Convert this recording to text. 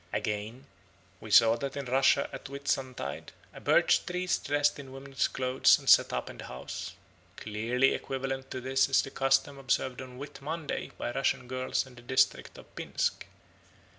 Again, we saw that in Russia at Whitsuntide a birch tree is dressed in woman's clothes and set up in the house. Clearly equivalent to this is the custom observed on Whit Monday by Russian girls in the district of Pinsk.